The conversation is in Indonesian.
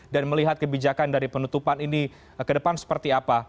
dan melihat kebijakan dari penutupan ini ke depan seperti apa